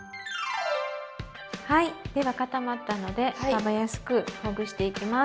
はいでは固まったので食べやすくほぐしていきます。